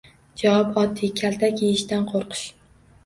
Javob oddiy: kaltak yeyishdan qo'rqish...